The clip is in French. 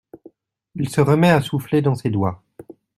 Il se remet à souffler dans ses doigts.